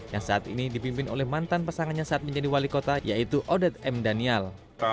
yang saat ini dipimpin oleh mantan pasangannya saat menjadi wali kota yaitu odet m daniel